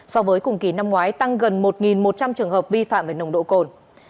so với cùng kỳ năm ngoái tăng gần một một trăm linh trường hợp vi phạm về nồng độ cồn